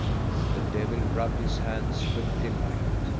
The devil rubbed his hands with delight.